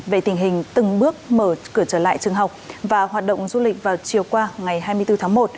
về tình hình từng bước mở cửa trở lại trường học và hoạt động du lịch vào chiều qua ngày hai mươi bốn tháng một